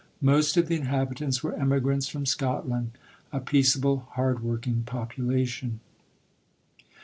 Most of the inhabitants were emigrants from Scotland, a peaceable, hard working popu lation.